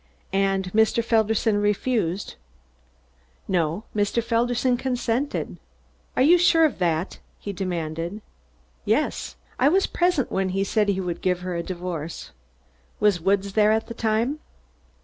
"And Mr. Felderson refused?" "No. Mr. Felderson consented." "You are sure of that?" he demanded. "Yes. I was present when he said he would give her a divorce." "Was Woods there at the time?"